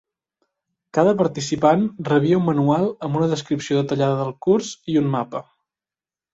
Cada participant rebia un manual amb una descripció detallada del curs i un mapa.